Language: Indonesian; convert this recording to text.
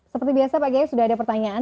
seperti biasa pak gaya sudah ada pertanyaan